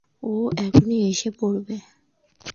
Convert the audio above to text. ও এখনই এসে পড়বে।